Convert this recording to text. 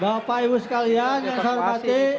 bapak ibu sekalian yang saya hormati